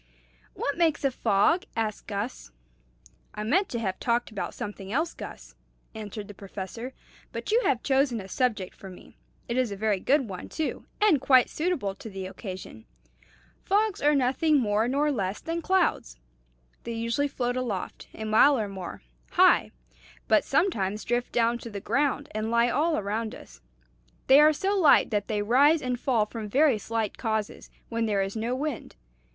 "What makes a fog?" asked Gus. "I meant to have talked about something else, Gus," answered the Professor; "but you have chosen a subject for me. It is a very good one, too, and quite suitable to the occasion. Fogs are nothing more nor less than clouds. They usually float aloft, a mile or more, high, but sometimes drift down to the ground and lie all around us. They are so light that they rise and fall from very slight causes, when there is no wind.